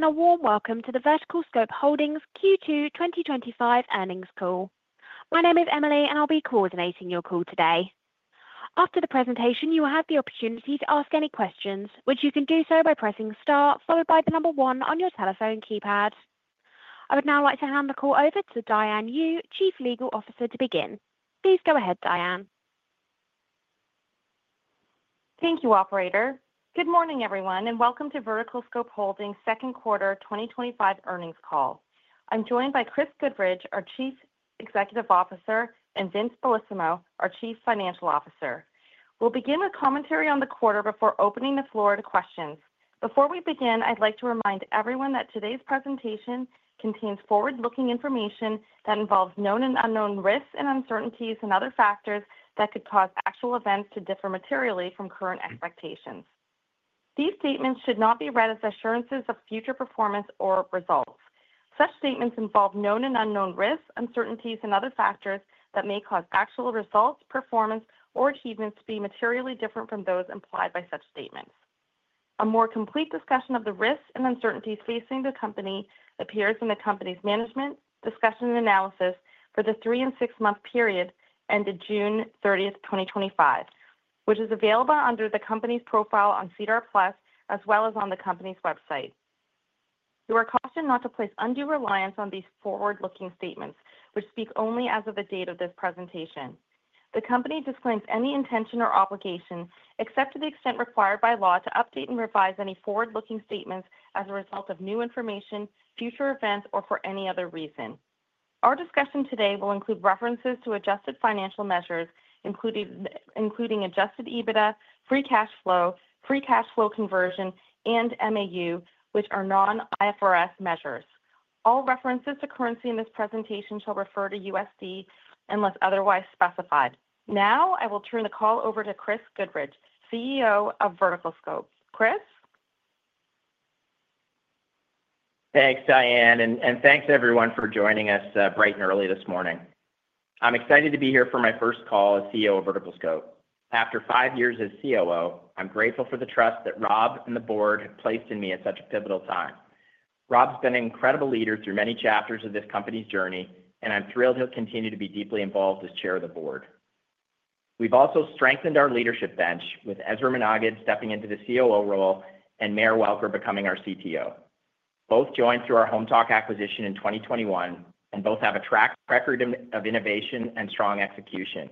Hello everyone, and a warm welcome to the VerticalScope Holdings Q2 2025 earnings call. My name is Emily, and I'll be coordinating your call today. After the presentation, you will have the opportunity to ask any questions, which you can do so by pressing STAR, followed by the number one on your telephone keypad. I would now like to hand the call over to Diane Yu, Chief Legal Officer, to begin. Please go ahead, Diane. Thank you, operator. Good morning everyone, and welcome to VerticalScope Holdings second quarter 2025 earnings call. I'm joined by Chris Goodridge, our Chief Executive Officer, and Vince Bellissimo, our Chief Financial Officer. We'll begin with commentary on the quarter before opening the floor to questions. Before we begin, I'd like to remind everyone that today's presentation contains forward-looking information that involves known and unknown risks and uncertainties and other factors that could cause actual events to differ materially from current expectations. These statements should not be read as assurances of future performance or results. Such statements involve known and unknown risks, uncertainties, and other factors that may cause actual results, performance, or achievements to be materially different from those implied by such statements. A more complete discussion of the risks and uncertainties facing the company appears in the company's management discussion and analysis for the three and six-month period ended June 30, 2025, which is available under the company's profile on CDAR Plus, as well as on the company's website. You are cautioned not to place undue reliance on these forward-looking statements, which speak only as of the date of this presentation. The company disclaims any intention or obligation, except to the extent required by law, to update and revise any forward-looking statements as a result of new information, future events, or for any other reason. Our discussion today will include references to adjusted financial measures, including adjusted EBITDA, free cash flow, free cash flow conversion, and MAUs, which are non-IFRS measures. All references to currency in this presentation shall refer to USD unless otherwise specified. Now I will turn the call over to Chris Goodridge, CEO of VerticalScope. Chris? Thanks, Diane, and thanks everyone for joining us bright and early this morning. I'm excited to be here for my first call as CEO of VerticalScope. After five years as COO, I'm grateful for the trust that Rob and the board have placed in me at such a pivotal time. Rob's been an incredible leader through many chapters of this company's journey, and I'm thrilled he'll continue to be deeply involved as Chair of the Board. We've also strengthened our leadership bench with Ezra Menaged stepping into the COO role and Mayor Welker becoming our CTO. Both joined through our HomeTalk acquisition in 2021, and both have a track record of innovation and strong execution.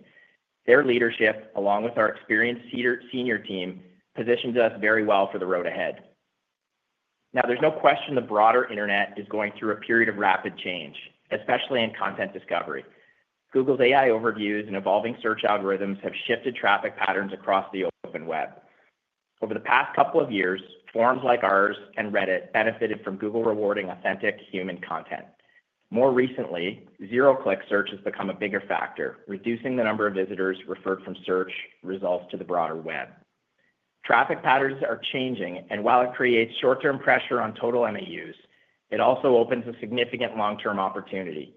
Their leadership, along with our experienced senior team, positions us very well for the road ahead. Now, there's no question the broader internet is going through a period of rapid change, especially in content discovery. Google's AI overviews and evolving search algorithms have shifted traffic patterns across the open web. Over the past couple of years, forums like ours and Reddit benefited from Google rewarding authentic human content. More recently, zero-click search has become a bigger factor, reducing the number of visitors referred from search results to the broader web. Traffic patterns are changing, and while it creates short-term pressure on total MAUs, it also opens a significant long-term opportunity.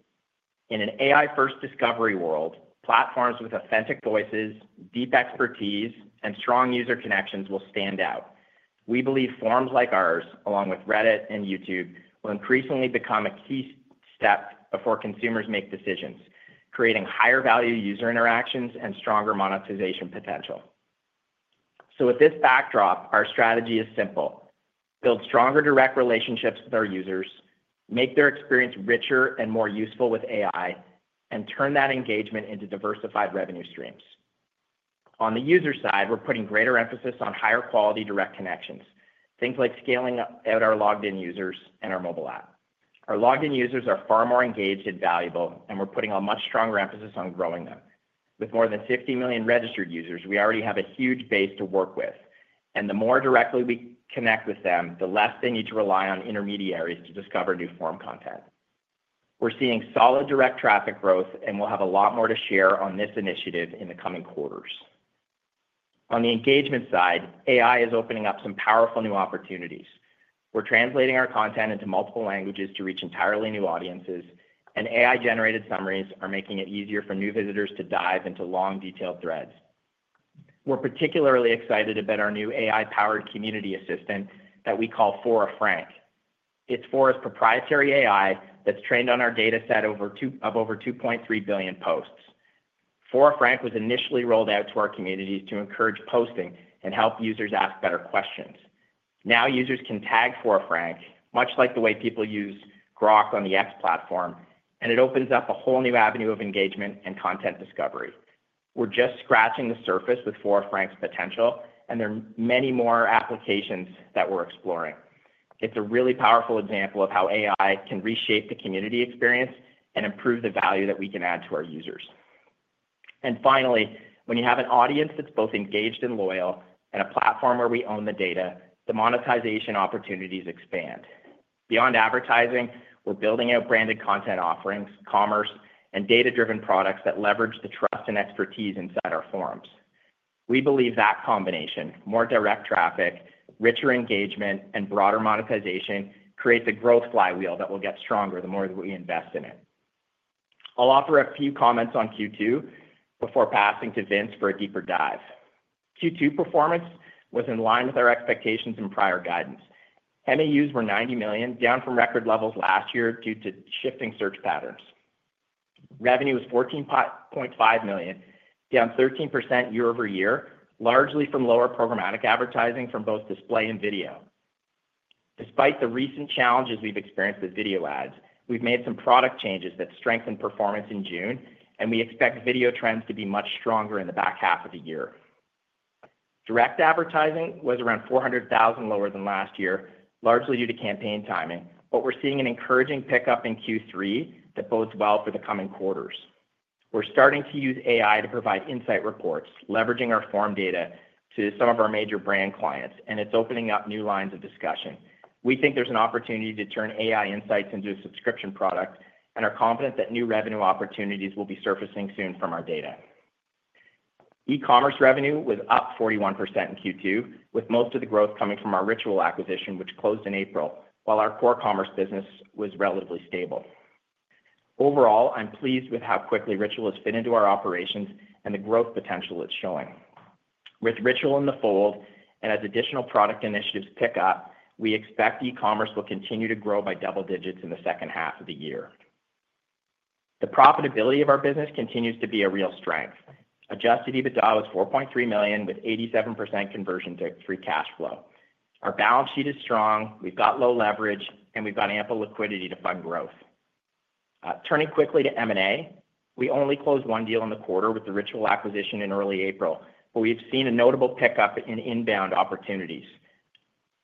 In an AI-first discovery world, platforms with authentic voices, deep expertise, and strong user connections will stand out. We believe forums like ours, along with Reddit and YouTube, will increasingly become a key step before consumers make decisions, creating higher value user interactions and stronger monetization potential. Our strategy is simple: build stronger direct relationships with our users, make their experience richer and more useful with AI, and turn that engagement into diversified revenue streams. On the user side, we're putting greater emphasis on higher quality direct connections, things like scaling out our logged-in users and our mobile app. Our logged-in users are far more engaged and valuable, and we're putting a much stronger emphasis on growing them. With more than 50 million registered users, we already have a huge base to work with, and the more directly we connect with them, the less they need to rely on intermediaries to discover new forum content. We're seeing solid direct traffic growth, and we'll have a lot more to share on this initiative in the coming quarters. On the engagement side, AI is opening up some powerful new opportunities. We're translating our content into multiple languages to reach entirely new audiences, and AI-generated summaries are making it easier for new visitors to dive into long, detailed threads. We're particularly excited about our new AI-powered community assistant that we call Fora Frank. It's Fora's proprietary AI that's trained on our dataset of over 2.3 billion posts. Fora Frank was initially rolled out to our communities to encourage posting and help users ask better questions. Now users can tag Fora Frank, much like the way people use Grok on the X platform, and it opens up a whole new avenue of engagement and content discovery. We're just scratching the surface with Fora Frank's potential, and there are many more applications that we're exploring. It's a really powerful example of how AI can reshape the community experience and improve the value that we can add to our users. Finally, when you have an audience that's both engaged and loyal, and a platform where we own the data, the monetization opportunities expand. Beyond advertising, we're building out branded content offerings, commerce, and data-driven products that leverage the trust and expertise inside our forums. We believe that combination, more direct traffic, richer engagement, and broader monetization, creates a growth flywheel that will get stronger the more that we invest in it. I'll offer a few comments on Q2 before passing to Vince for a deeper dive. Q2 performance was in line with our expectations and prior guidance. MAUs were 90 million, down from record levels last year due to shifting search patterns. Revenue was $14.5 million, down 13% year-over-year, largely from lower programmatic advertising from both display and video. Despite the recent challenges we've experienced with video ads, we've made some product changes that strengthened performance in June, and we expect video trends to be much stronger in the back half of the year. Direct advertising was around $400,000 lower than last year, largely due to campaign timing, but we're seeing an encouraging pickup in Q3 that bodes well for the coming quarters. We're starting to use AI to provide insight reports, leveraging our forum data to some of our major brand clients, and it's opening up new lines of discussion. We think there's an opportunity to turn AI insights into a subscription product and are confident that new revenue opportunities will be surfacing soon from our data. E-commerce revenue was up 41% in Q2, with most of the growth coming from our Ritual acquisition, which closed in April, while our core commerce business was relatively stable. Overall, I'm pleased with how quickly Ritual has fit into our operations and the growth potential it's showing. With Ritual in the fold and as additional product initiatives pick up, we expect e-commerce will continue to grow by double digits in the second half of the year. The profitability of our business continues to be a real strength. Adjusted EBITDA was $4.3 million, with 87% conversion to free cash flow. Our balance sheet is strong, we've got low leverage, and we've got ample liquidity to fund growth. Turning quickly to M&A, we only closed one deal in the quarter with the Ritual acquisition in early April, but we've seen a notable pickup in inbound opportunities.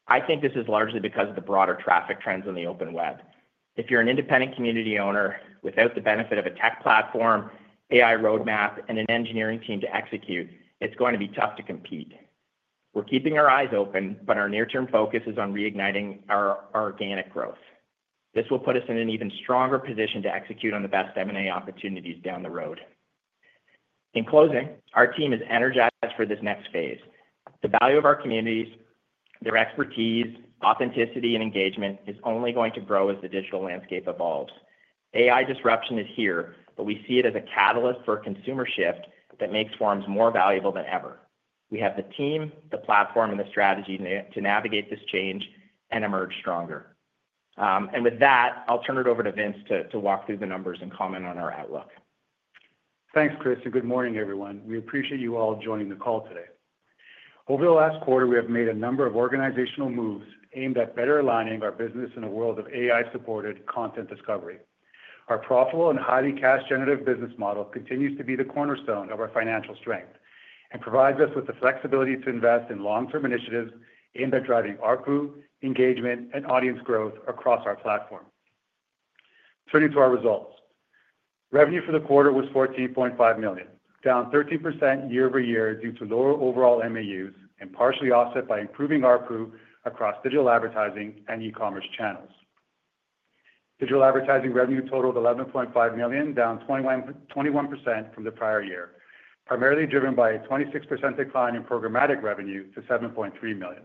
I think this is largely because of the broader traffic trends on the open web. If you're an independent community owner without the benefit of a tech platform, AI roadmap, and an engineering team to execute, it's going to be tough to compete. We're keeping our eyes open, but our near-term focus is on reigniting our organic growth. This will put us in an even stronger position to execute on the best M&A opportunities down the road. In closing, our team is energized for this next phase. The value of our communities, their expertise, authenticity, and engagement is only going to grow as the digital landscape evolves. AI disruption is here, but we see it as a catalyst for a consumer shift that makes forums more valuable than ever. We have the team, the platform, and the strategy to navigate this change and emerge stronger. With that, I'll turn it over to Vince to walk through the numbers and comment on our outlook. Thanks, Chris, and good morning everyone. We appreciate you all joining the call today. Over the last quarter, we have made a number of organizational moves aimed at better aligning our business in a world of AI-supported content discovery. Our profitable and highly cash-generative business model continues to be the cornerstone of our financial strength and provides us with the flexibility to invest in long-term initiatives aimed at driving our growth, engagement, and audience growth across our platform. Turning to our results, revenue for the quarter was $14.5 million, down 13% year-over-year due to lower overall MAUs and partially offset by improving our growth across digital advertising and e-commerce channels. Digital advertising revenue totaled $11.5 million, down 21% from the prior year, primarily driven by a 26% decline in programmatic revenue to $7.3 million.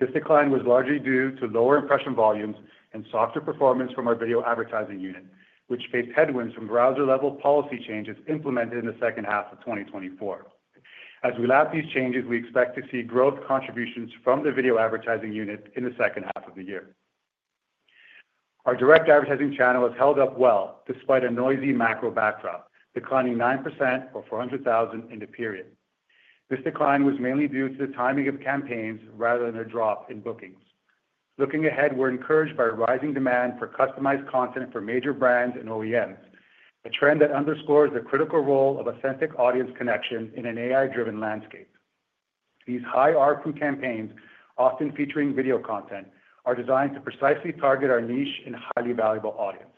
This decline was largely due to lower impression volumes and softer performance from our video advertising unit, which faced headwinds from browser-level policy changes implemented in the second half of 2024. As we lap these changes, we expect to see growth contributions from the video advertising unit in the second half of the year. Our direct advertising channel has held up well despite a noisy macro backdrop, declining 9% or $400,000 in the period. This decline was mainly due to the timing of campaigns rather than a drop in bookings. Looking ahead, we're encouraged by rising demand for customized content for major brands and OEMs, a trend that underscores the critical role of authentic audience connection in an AI-driven landscape. These high ROI campaigns, often featuring video content, are designed to precisely target our niche and highly valuable audience.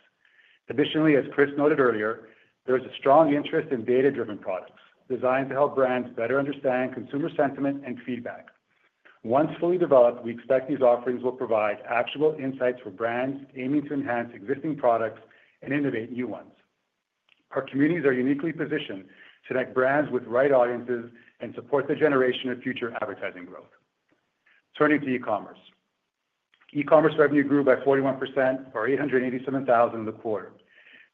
Additionally, as Chris noted earlier, there is a strong interest in data-driven products designed to help brands better understand consumer sentiment and feedback. Once fully developed, we expect these offerings will provide actionable insights for brands aiming to enhance existing products and innovate new ones. Our communities are uniquely positioned to connect brands with the right audiences and support the generation of future advertising growth. Turning to e-commerce, e-commerce revenue grew by 41% or $887,000 in the quarter.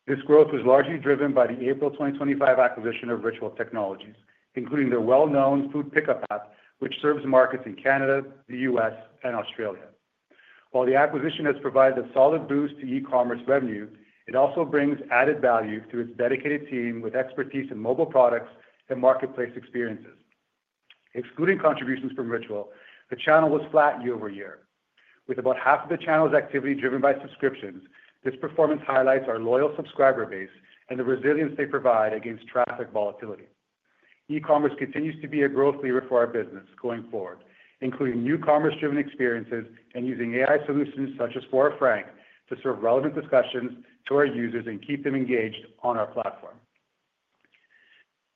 This growth was largely driven by the April 2025 acquisition of Ritual Technologies, including their well-known food pickup app, which serves markets in Canada, the U.S., and Australia. While the acquisition has provided a solid boost to e-commerce revenue, it also brings added value to its dedicated team with expertise in mobile products and marketplace experiences. Excluding contributions from Ritual, the channel was flat year-over-year. With about half of the channel's activity driven by subscriptions, this performance highlights our loyal subscriber base and the resilience they provide against traffic volatility. E-commerce continues to be a growth leader for our business going forward, including new commerce-driven experiences and using AI solutions such as Fora Frank to serve relevant discussions to our users and keep them engaged on our platform.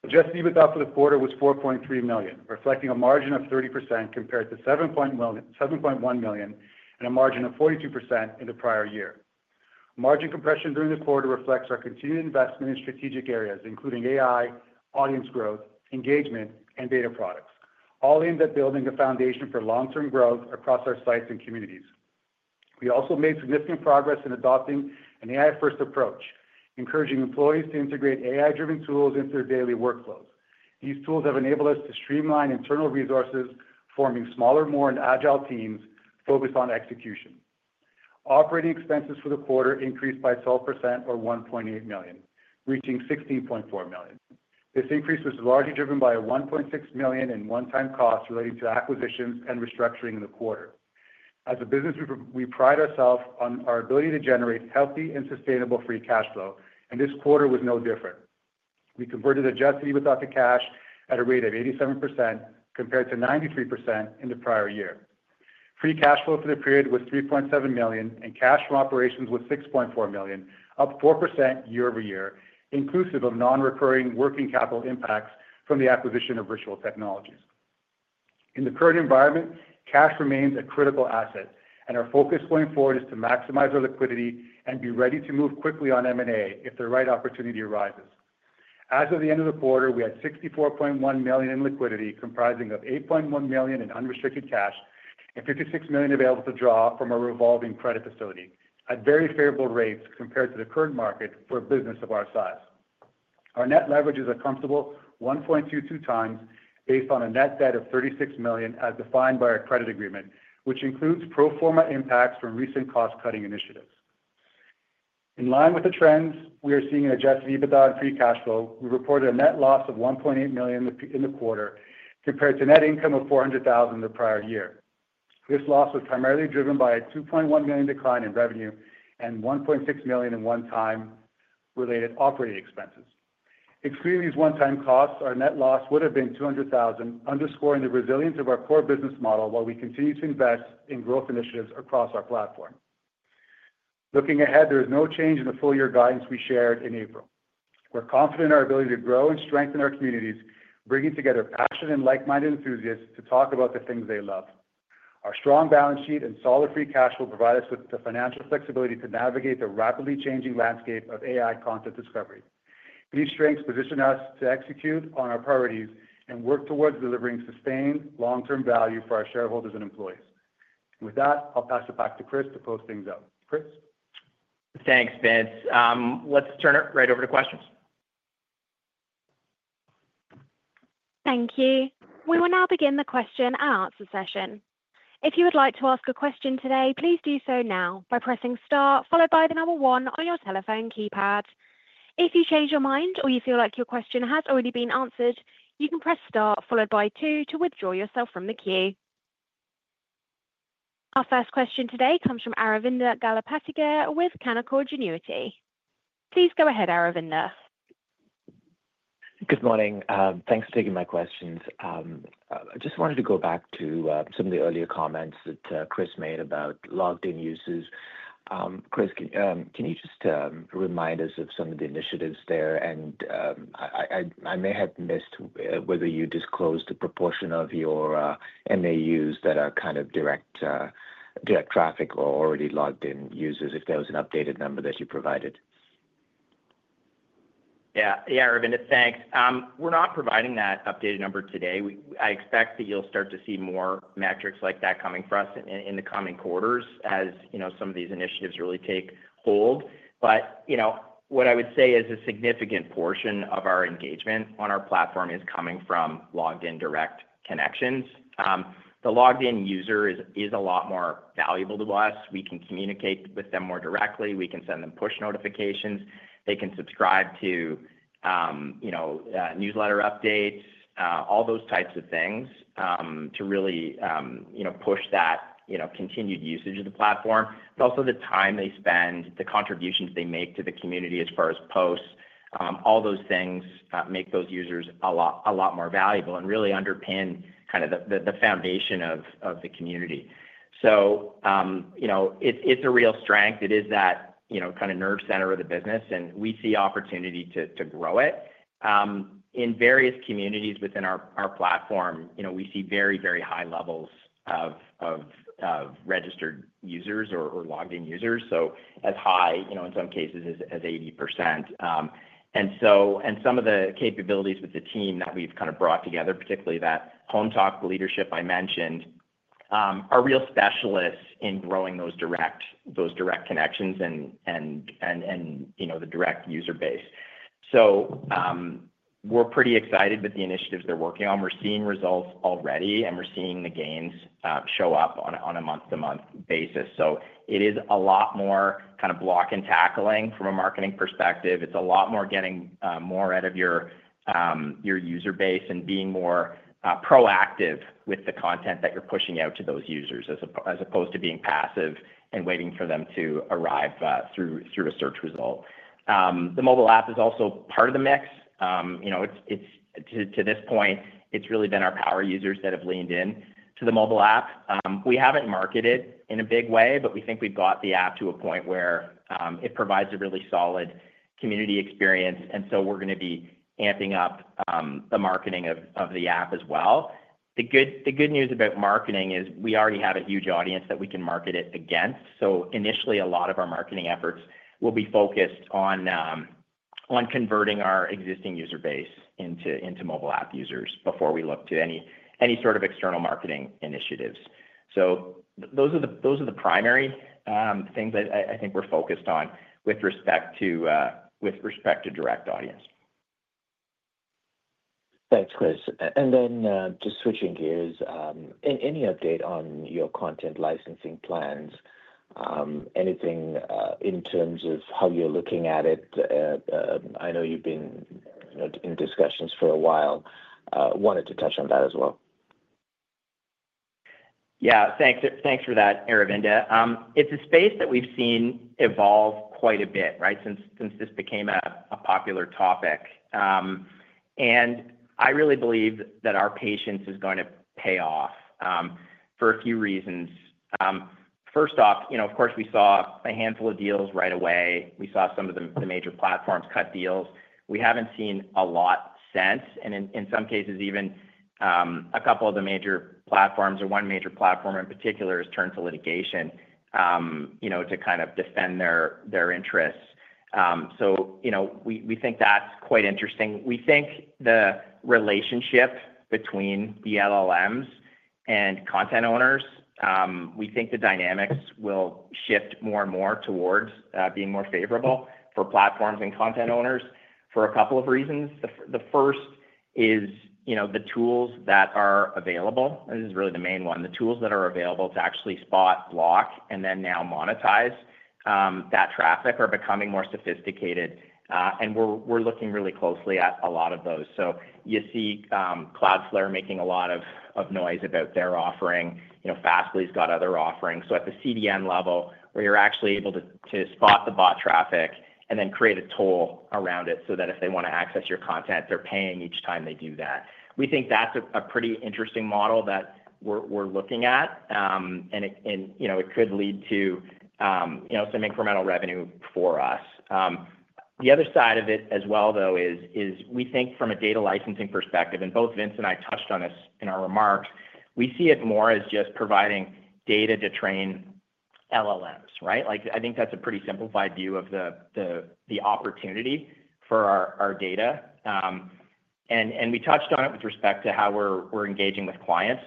Adjusted EBITDA for the quarter was $4.3 million, reflecting a margin of 30% compared to $7.1 million and a margin of 42% in the prior year. Margin compression during the quarter reflects our continued investment in strategic areas, including artificial intelligence, audience growth, engagement, and data-driven products, all aimed at building a foundation for long-term growth across our sites and communities. We also made significant progress in adopting an AI-first approach, encouraging employees to integrate AI-driven tools into their daily workflows. These tools have enabled us to streamline internal resources, forming smaller, more agile teams focused on execution. Operating expenses for the quarter increased by 12% or $1.8 million, reaching $16.4 million. This increase was largely driven by $1.6 million in one-time costs related to acquisitions and restructuring in the quarter. As a business, we pride ourselves on our ability to generate healthy and sustainable free cash flow, and this quarter was no different. We converted adjusted EBITDA to cash at a rate of 87% compared to 93% in the prior year. Free cash flow for the period was $3.7 million, and cash from operations was $6.4 million, up 4% year-over-year, inclusive of non-recurring working capital impacts from the acquisition of Ritual Technologies. In the current environment, cash remains a critical asset, and our focus going forward is to maximize our liquidity and be ready to move quickly on M&A if the right opportunity arises. As of the end of the quarter, we had $64.1 million in liquidity, comprising $8.1 million in unrestricted cash and $56 million available to draw from a revolving credit facility at very favorable rates compared to the current market for a business of our size. Our net leverage is a comfortable 1.22x, based on a net debt of $36 million as defined by our credit agreement, which includes pro forma impacts from recent cost-cutting initiatives. In line with the trends we are seeing in adjusted EBITDA and free cash flow, we reported a net loss of $1.8 million in the quarter compared to a net income of $400,000 in the prior year. This loss was primarily driven by a $2.1 million decline in revenue and $1.6 million in one-time related operating expenses. Excluding these one-time costs, our net loss would have been $200,000, underscoring the resilience of our core business model while we continue to invest in growth initiatives across our platform. Looking ahead, there is no change in the full-year guidance we shared in April. We're confident in our ability to grow and strengthen our communities, bringing together passionate and like-minded enthusiasts to talk about the things they love. Our strong balance sheet and solid free cash will provide us with the financial flexibility to navigate the rapidly changing landscape of AI content discovery. These strengths position us to execute on our priorities and work towards delivering sustained long-term value for our shareholders and employees. With that, I'll pass it back to Chris to close things out. Chris? Thanks, Vince. Let's turn it right over to questions. Thank you. We will now begin the question and answer session. If you would like to ask a question today, please do so now by pressing STAR, followed by the number one on your telephone keypad. If you change your mind or you feel like your question has already been answered, you can press STAR, followed by two to withdraw yourself from the queue. Our first question today comes from Aravinda Galappatthige with Canaccord Genuity. Please go ahead, Aravindra. Good morning. Thanks for taking my questions. I just wanted to go back to some of the earlier comments that Chris made about logged-in users. Chris, can you just remind us of some of the initiatives there? I may have missed whether you disclosed the proportion of your MAUs that are kind of direct traffic or already logged-in users, if there was an updated number that you provided? Yeah, Aravindra, thanks. We're not providing that updated number today. I expect that you'll start to see more metrics like that coming for us in the coming quarters as some of these initiatives really take hold. What I would say is a significant portion of our engagement on our platform is coming from logged-in direct connections. The logged-in user is a lot more valuable to us. We can communicate with them more directly. We can send them push notifications. They can subscribe to newsletter updates, all those types of things to really push that continued usage of the platform, but also the time they spend, the contributions they make to the community as far as posts. All those things make those users a lot more valuable and really underpin kind of the foundation of the community. It is a real strength. It is that kind of nerve center of the business, and we see opportunity to grow it. In various communities within our platform, we see very, very high levels of registered users or logged-in users, as high, in some cases, as 80%. Some of the capabilities with the team that we've kind of brought together, particularly that HomeTalk leadership I mentioned, are real specialists in growing those direct connections and the direct user base. We're pretty excited with the initiatives they're working on. We're seeing results already, and we're seeing the gains show up on a month-to-month basis. It is a lot more kind of block and tackling from a marketing perspective. It's a lot more getting more out of your user base and being more proactive with the content that you're pushing out to those users as opposed to being passive and waiting for them to arrive through a search result. The mobile app is also part of the mix. To this point, it's really been our power users that have leaned into the mobile app. We haven't marketed in a big way, but we think we've got the app to a point where it provides a really solid community experience. We're going to be amping up the marketing of the app as well. The good news about marketing is we already have a huge audience that we can market it against. Initially, a lot of our marketing efforts will be focused on converting our existing user base into mobile app users before we look to any sort of external marketing initiatives. Those are the primary things I think we're focused on with respect to direct audience. Thanks, Chris. Switching gears, any update on your content licensing plans? Anything in terms of how you're looking at it? I know you've been in discussions for a while. I wanted to touch on that as well. Yeah, thanks for that, Aravinda. It's a space that we've seen evolve quite a bit, right, since this became a popular topic. I really believe that our patience is going to pay off for a few reasons. First off, of course, we saw a handful of deals right away. We saw some of the major platforms cut deals. We haven't seen a lot since. In some cases, even a couple of the major platforms or one major platform in particular has turned to litigation to kind of defend their interests. We think that's quite interesting. We think the relationship between the LLMs and content owners, we think the dynamics will shift more and more towards being more favorable for platforms and content owners for a couple of reasons. The first is the tools that are available. This is really the main one. The tools that are available to actually spot, block, and then now monetize that traffic are becoming more sophisticated. We're looking really closely at a lot of those. You see Cloudflare making a lot of noise about their offering. Fastly has got other offerings. At the CDN level, where you're actually able to spot the bot traffic and then create a toll around it so that if they want to access your content, they're paying each time they do that. We think that's a pretty interesting model that we're looking at. It could lead to some incremental revenue for us. The other side of it as well is we think from a data licensing perspective, and both Vince and I touched on this in our remarks, we see it more as just providing data to train LLMs. I think that's a pretty simplified view of the opportunity for our data. We touched on it with respect to how we're engaging with clients.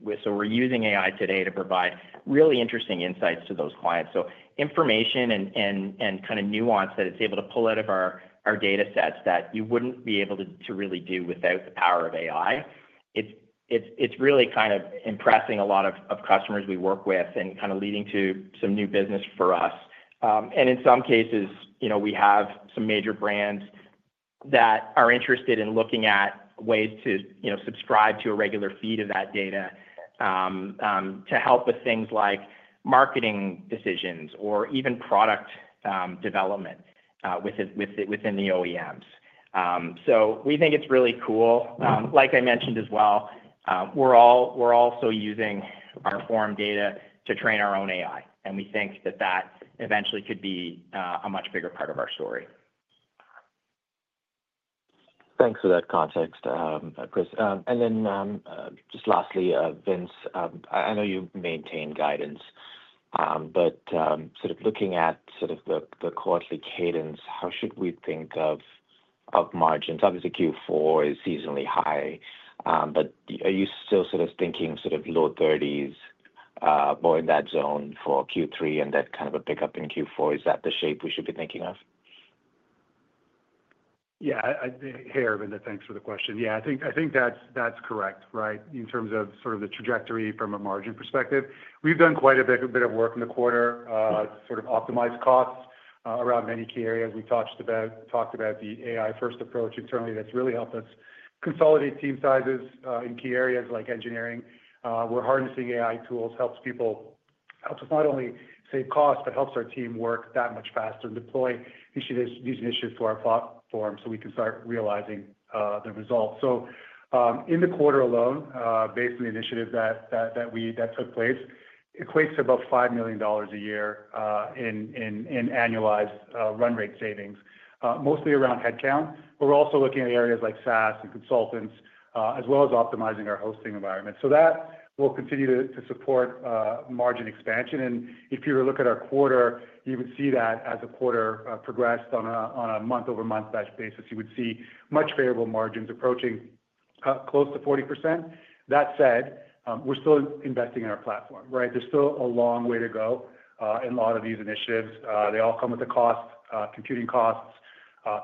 We're using AI today to provide really interesting insights to those clients, information and kind of nuance that it's able to pull out of our datasets that you wouldn't be able to really do without the power of AI. It's really kind of impressing a lot of customers we work with and kind of leading to some new business for us. In some cases, we have some major brands that are interested in looking at ways to subscribe to a regular feed of that data to help with things like marketing decisions or even product development within the OEMs. We think it's really cool. Like I mentioned as well, we're also using our forum data to train our own AI. We think that that eventually could be a much bigger part of our story. Thanks for that context, Chris. Lastly, Vince, I know you maintain guidance, but looking at the quarterly cadence, how should we think of margins? Obviously, Q4 is seasonally high, but are you still thinking low 30s, more in that zone for Q3 and that kind of a pickup in Q4? Is that the shape we should be thinking of? Yeah, I think, hey, Aravinda, thanks for the question. Yeah, I think that's correct, right, in terms of sort of the trajectory from a margin perspective. We've done quite a bit of work in the quarter to sort of optimize costs around many key areas. We talked about the AI-first approach internally that's really helped us consolidate team sizes in key areas like engineering. We're harnessing AI tools, helps people, helps us not only save costs, but helps our team work that much faster and deploy these initiatives to our platform so we can start realizing the results. In the quarter alone, based on the initiative that took place, it equates to about $5 million a year in annualized run rate savings, mostly around headcount. We're also looking at areas like SaaS and consultants, as well as optimizing our hosting environment. That will continue to support margin expansion. If you were to look at our quarter, you would see that as the quarter progressed on a month-over-month basis, you would see much favorable margins approaching close to 40%. That said, we're still investing in our platform, right? There's still a long way to go in a lot of these initiatives. They all come with the costs, computing costs,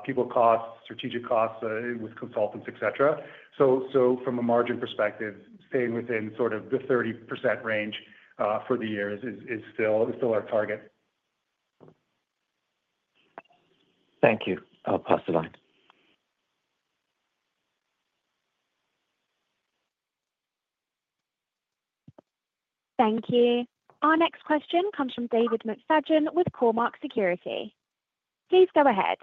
people costs, strategic costs with consultants, etc. From a margin perspective, staying within sort of the 30% range for the year is still our target. Thank you. I'll pass the line. Thank you. Our next question comes from David McFadgen with Cormark Securities. Please go ahead.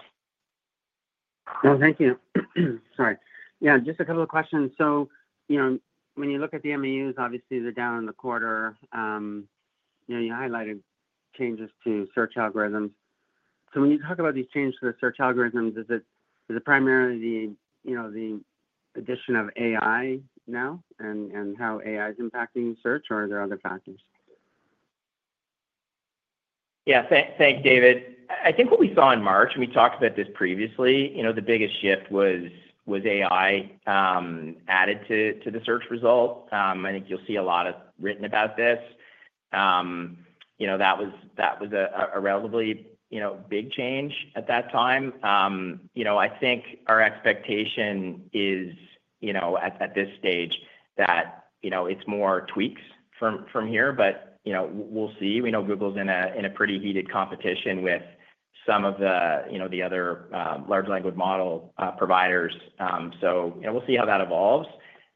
Thank you. Yeah, just a couple of questions. When you look at the MAUs, obviously they're down in the quarter. You highlighted changes to search algorithms. When you talk about these changes to the search algorithms, is it primarily the addition of AI now and how AI is impacting search, or are there other factors? Yeah, thanks, David. I think what we saw in March, and we talked about this previously, the biggest shift was AI added to the search result. I think you'll see a lot written about this. That was a relatively big change at that time. I think our expectation is, at this stage, that it's more tweaks from here, but we'll see. We know Google is in a pretty heated competition with some of the other large language model providers. We'll see how that evolves.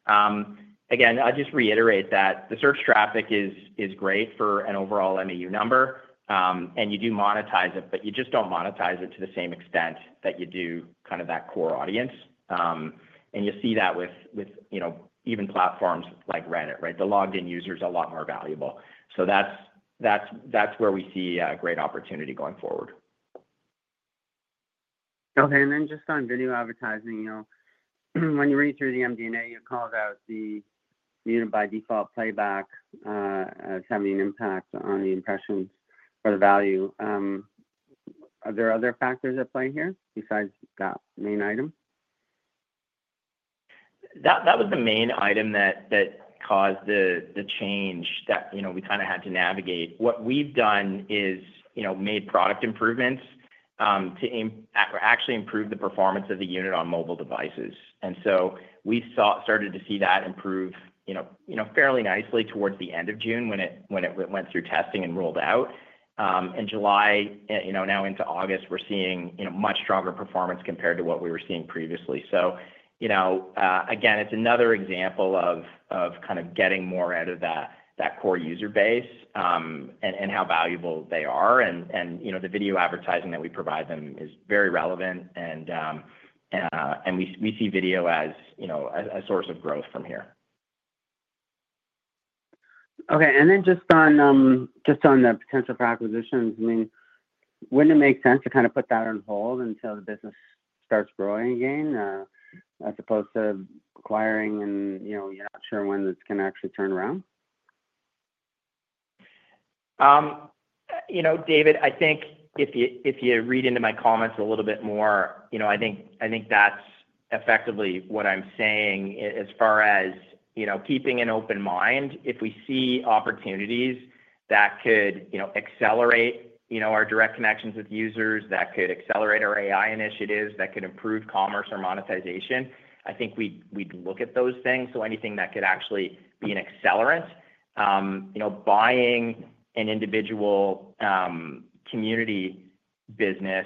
Again, I'll just reiterate that the search traffic is great for an overall MAU number, and you do monetize it, but you just don't monetize it to the same extent that you do that core audience. You'll see that with even platforms like Reddit, right? The logged-in users are a lot more valuable. That's where we see a great opportunity going forward. Okay, and then just on video advertising, when you read through the MD&A, you called out the unit by default playback as having an impact on the impression for the value. Are there other factors at play here besides that main item? That was the main item that caused the change that we kind of had to navigate. What we've done is made product improvements to aim at or actually improve the performance of the unit on mobile devices. We started to see that improve fairly nicely towards the end of June when it went through testing and rolled out. In July, now into August, we're seeing much stronger performance compared to what we were seeing previously. It's another example of kind of getting more out of that core user base and how valuable they are. The video advertising that we provide them is very relevant, and we see video as a source of growth from here. Okay, and then just on the potential acquisitions, wouldn't it make sense to kind of put that on hold until the business starts growing again, as opposed to acquiring and, you know, you're not sure when it's going to actually turn around? David, I think if you read into my comments a little bit more, I think that's effectively what I'm saying as far as keeping an open mind. If we see opportunities that could accelerate our direct connections with users, that could accelerate our AI initiatives, that could improve commerce or monetization, I think we'd look at those things. Anything that could actually be an accelerant, buying an individual community business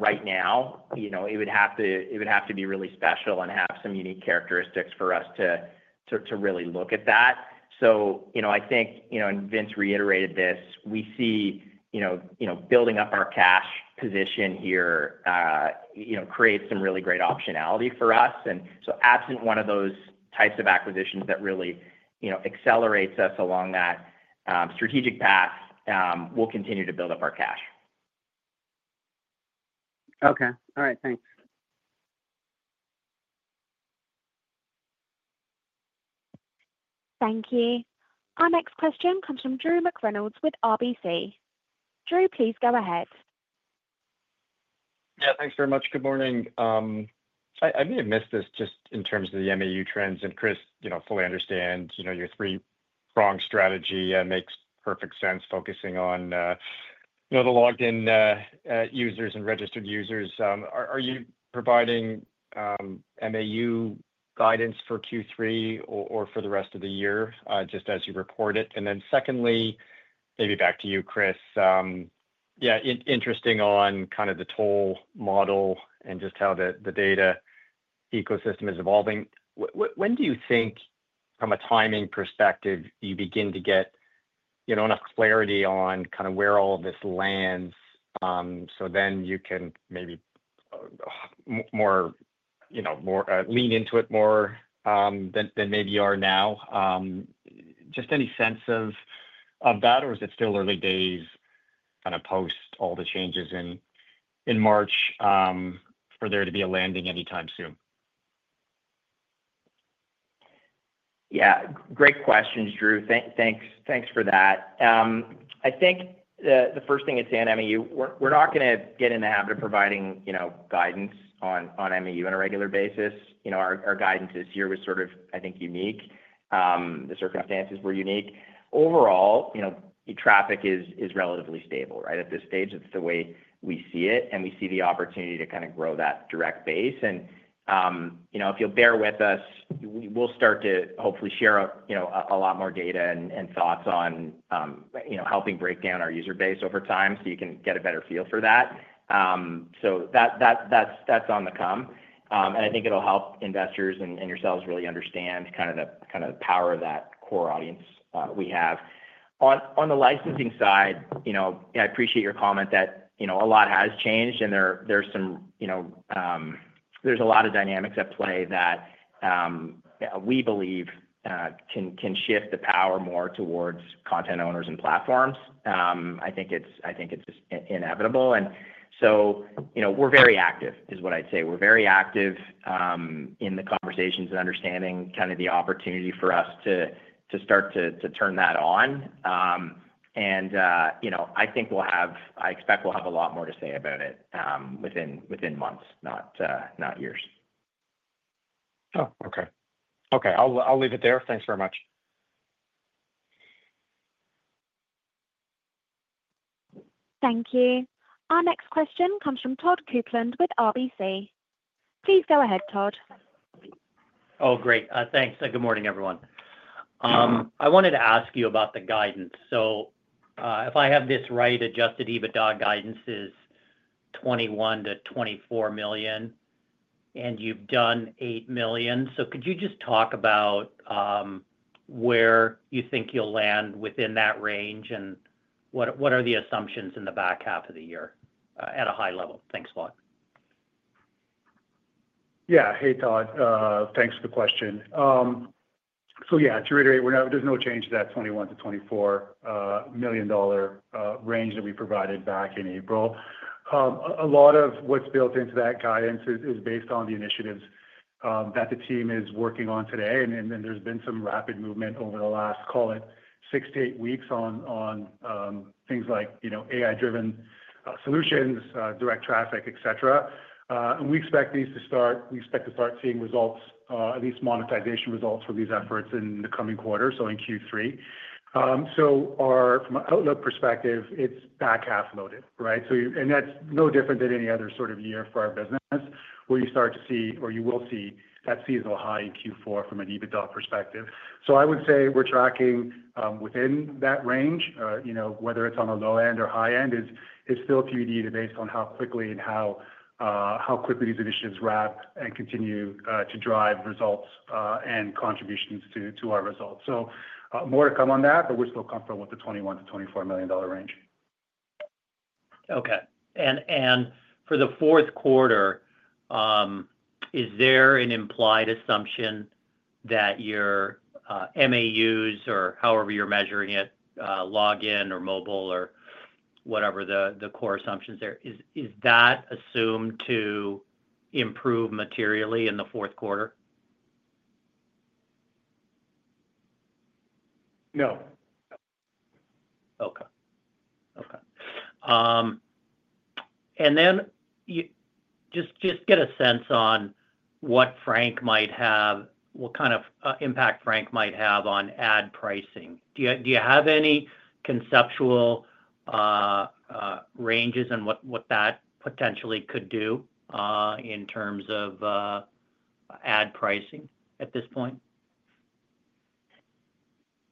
right now, it would have to be really special and have some unique characteristics for us to really look at that. I think, and Vince reiterated this, we see building up our cash position here creates some really great optionality for us. Absent one of those types of acquisitions that really accelerates us along that strategic path, we'll continue to build up our cash. Okay, all right, thanks. Thank you. Our next question comes from Drew McReynolds with RBC. Drew, please go ahead. Yeah, thanks very much. Good morning. I may have missed this just in terms of the MAU trends, and Chris, you know, fully understand your three-prong strategy makes perfect sense focusing on the logged-in users and registered users. Are you providing MAU guidance for Q3 or for the rest of the year, just as you report it? Secondly, maybe back to you, Chris. Yeah, interesting on kind of the toll model and just how the data ecosystem is evolving. When do you think, from a timing perspective, you begin to get enough clarity on kind of where all of this lands so then you can maybe lean into it more than maybe you are now? Just any sense of that, or is it still early days kind of post all the changes in March for there to be a landing anytime soon? Yeah, great questions, Drew. Thanks for that. I think the first thing is in MAU. We're not going to get in the habit of providing, you know, guidance on MAU on a regular basis. Our guidance this year was sort of, I think, unique. The circumstances were unique. Overall, traffic is relatively stable, right? At this stage, it's the way we see it, and we see the opportunity to kind of grow that direct base. If you'll bear with us, we'll start to hopefully share, you know, a lot more data and thoughts on helping break down our user base over time so you can get a better feel for that. That is on the come, and I think it'll help investors and yourselves really understand the power of that core audience we have. On the licensing side, I appreciate your comment that a lot has changed, and there's some, you know, there's a lot of dynamics at play that we believe can shift the power more towards content owners and platforms. I think it's just inevitable. We're very active, is what I'd say. We're very active in the conversations and understanding the opportunity for us to start to turn that on. I think we'll have, I expect we'll have a lot more to say about it within months, not years. Okay, I'll leave it there. Thanks very much. Thank you. Our next question comes from Todd Coupland with CIBC. Please go ahead, Todd. Oh, great. Thanks. Good morning, everyone. I wanted to ask you about the guidance. If I have this right, adjusted EBITDA guidance is $21 million - $24 million, and you've done $8 million. Could you just talk about where you think you'll land within that range and what are the assumptions in the back half of the year at a high level? Thanks, Bob. Yeah, hey, Todd. Thanks for the question. There's no change to that $21 million - $24 million range that we provided back in April. A lot of what's built into that guidance is based on the initiatives that the team is working on today. There's been some rapid movement over the last, call it, six to eight weeks on things like AI-driven solutions, direct traffic, et cetera. We expect to start seeing results, at least monetization results from these efforts in the coming quarter, in Q3. From an outlook perspective, it's back half loaded, right? That's no different than any other sort of year for our business where you start to see, or you will see, that seasonal high in Q4 from an EBITDA perspective. I would say we're tracking within that range, whether it's on the low end or high end, it's still too early to base on how quickly these initiatives ramp and continue to drive results and contributions to our results. More to come on that, but we're still comfortable with the $21 million - $24 million range. Okay. For the fourth quarter, is there an implied assumption that your MAUs, or however you're measuring it, logged-in or mobile or whatever the core assumptions are, is that assumed to improve materially in the fourth quarter? No. Okay. Okay. And then just get a sense on what Fora Frank might have, what kind of impact Fora Frank might have on ad pricing. Do you have any conceptual ranges on what that potentially could do in terms of ad pricing at this point?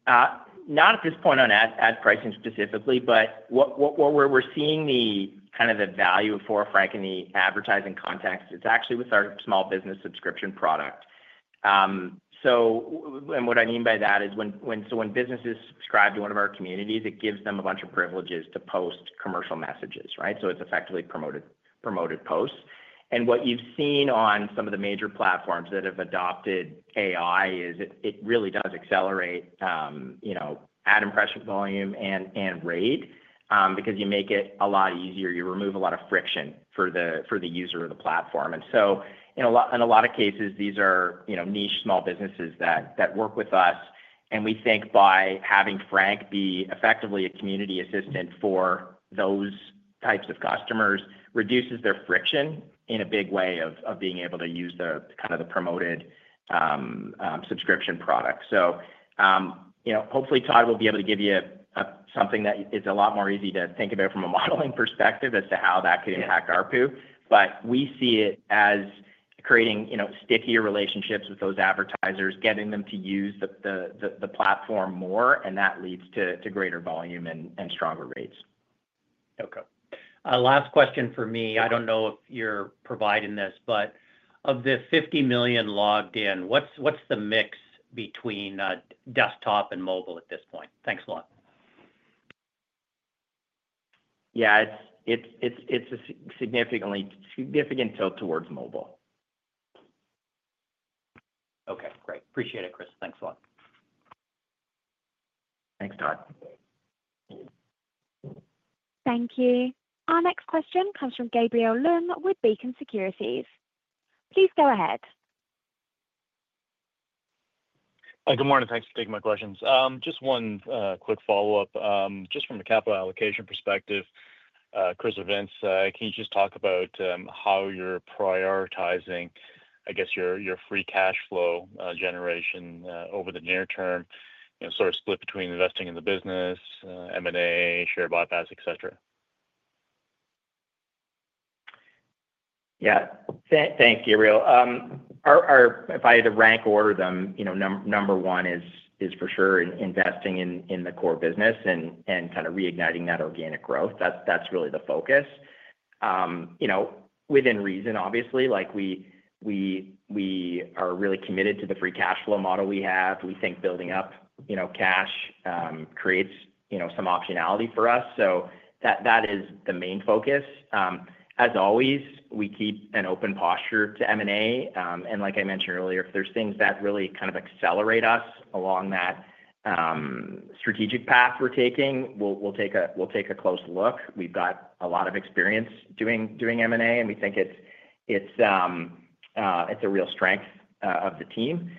Not at this point on ad pricing specifically, but what we're seeing, kind of the value for Fora Frank in the advertising context, is actually with our small business subscription product. What I mean by that is when businesses subscribe to one of our communities, it gives them a bunch of privileges to post commercial messages, right? It's effectively promoted posts. What you've seen on some of the major platforms that have adopted artificial intelligence is it really does accelerate, you know, ad impression volume and rate because you make it a lot easier. You remove a lot of friction for the user of the platform. In a lot of cases, these are, you know, niche small businesses that work with us. We think by having Fora Frank be effectively a community assistant for those types of customers, it reduces their friction in a big way of being able to use the kind of the promoted subscription product. Hopefully, Todd will be able to give you something that is a lot more easy to think about from a modeling perspective as to how that could impact our ARPU. We see it as creating, you know, stickier relationships with those advertisers, getting them to use the platform more, and that leads to greater volume and stronger rates. Okay. Last question for me. I don't know if you're providing this, but of the 50 million logged in, what's the mix between desktop and mobile at this point? Thanks a lot. Yeah, it's a significant tilt towards mobile. Okay, great. Appreciate it, Chris. Thanks a lot. Thanks, Todd. Thank you. Our next question comes from Gabriel Lung with Beacon Securities. Please go ahead. Good morning. Thanks for taking my questions. Just one quick follow-up, just from the capital allocation perspective. Chris or Vince, can you just talk about how you're prioritizing, I guess, your free cash flow generation over the near term, you know, sort of split between investing in the business, M&A, share buybacks, et cetera? Yeah, thanks, Gabriel. By the rank order, number one is for sure investing in the core business and kind of reigniting that organic growth. That's really the focus. Within reason, obviously, we are really committed to the free cash flow model we have. We think building up cash creates some optionality for us. That is the main focus. As always, we keep an open posture to M&A. Like I mentioned earlier, if there's things that really kind of accelerate us along that strategic path we're taking, we'll take a close look. We've got a lot of experience doing M&A, and we think it's a real strength of the team.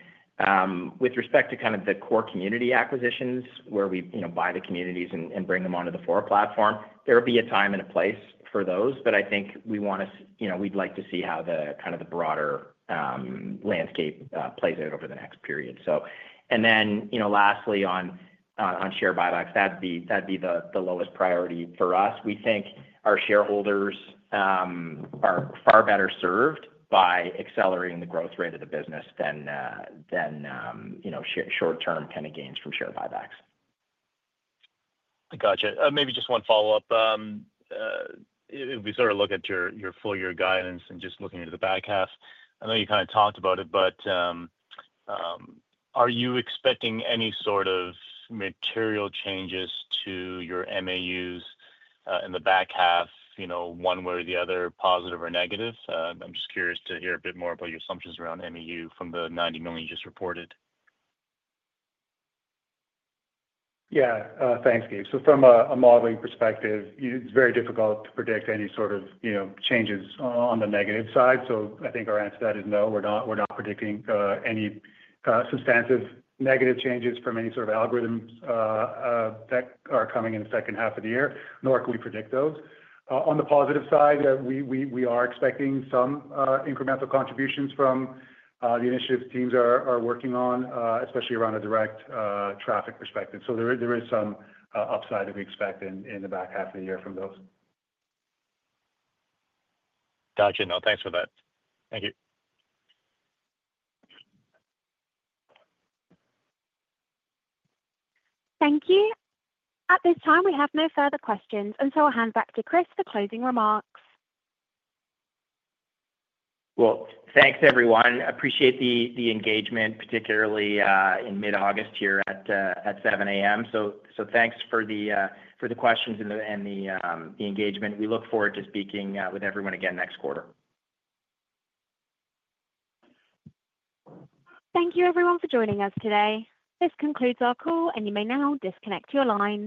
With respect to the core community acquisitions where we buy the communities and bring them onto the Fora platform, there will be a time and a place for those, but I think we want to see how the broader landscape plays out over the next period. Lastly, on share buybacks, that'd be the lowest priority for us. We think our shareholders are far better served by accelerating the growth rate of the business than short-term gains from share buybacks. I gotcha. Maybe just one follow-up. If we sort of look at your full-year guidance and just looking into the back half, I know you kind of talked about it, but are you expecting any sort of material changes to your MAUs in the back half, you know, one way or the other, positive or negative? I'm just curious to hear a bit more about your assumptions around MAU from the 90 million you just reported. Yeah, thanks, Gabe. From a modeling perspective, it's very difficult to predict any sort of changes on the negative side. I think our answer to that is no. We're not predicting any substantive negative changes from any sort of algorithms that are coming in the second half of the year, nor can we predict those. On the positive side, we are expecting some incremental contributions from the initiatives teams are working on, especially around a direct traffic perspective. There is some upside that we expect in the back half of the year from those. Gotcha. No, thanks for that. Thank you. Thank you. At this time, we have no further questions, and I'll hand back to Chris for closing remarks. Thank you, everyone. I appreciate the engagement, particularly in mid-August here at 7:00 A.M. Thank you for the questions and the engagement. We look forward to speaking with everyone again next quarter. Thank you, everyone, for joining us today. This concludes our call, and you may now disconnect your line.